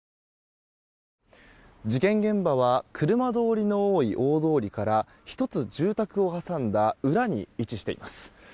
事件現場は車通りの多い大通りから１つ、住宅を挟んだ裏に位置しています。